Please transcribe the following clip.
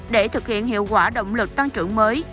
để thực hiện hiệu quả động lực tăng trưởng mới